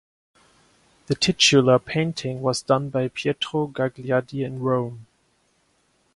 The titular painting was done by Pietro Gagliardi in Rome.